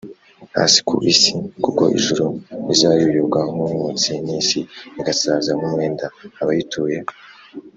hasi ku isi kuko ijuru rizayoyoka nk umwotsi n n isi igasaza nk umwenda Abayituye